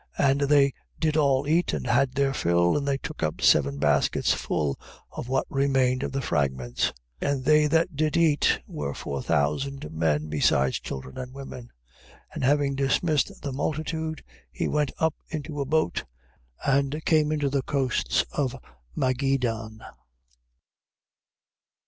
15:37. And they did all eat, and had their fill. And they took up seven baskets full, of what remained of the fragments. 15:38. And they that did eat, were four thousand men, beside children and women. 15:39. And having dismissed the multitude, he went up into a boat, and came into the coasts of Magedan.